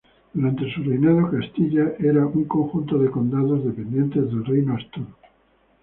Durante su reinado, Castilla era un conjunto de condados, dependientes del Reino Astur.